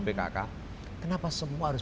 pkk kenapa semua harus